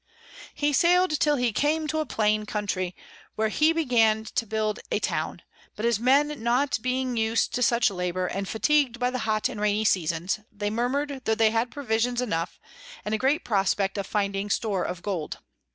He sail'd till he came to a plain Country, where he began to build a Town: but his Men not being us'd to such Labour, and fatigu'd by the hot and rainy Seasons, they murmur'd, tho they had Provisions enough, and a great prospect of finding Store of Gold.